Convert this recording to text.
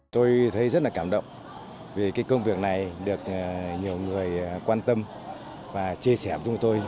tôi thấy rất là cảm động vì cái công việc này được nhiều người quan tâm và chia sẻ với chúng tôi